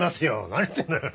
何言ってんのよ。